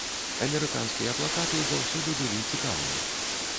Амерыканскія плакаты заўсёды былі цікавымі.